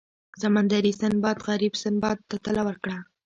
سمندري سنباد غریب سنباد ته طلا ورکړه.